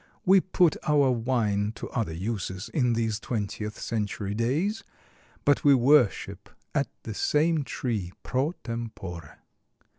We put our wine to other uses in these twentieth century days, but we worship at the same tree, pro tempore.